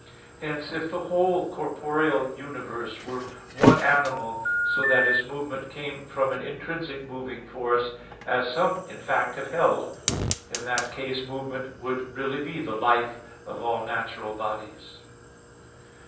Hence, if the whole corporeal universe were one animal, so that its movement came from an "intrinsic moving force," as some in fact have held, in that case movement would really be the life of all natural bodies.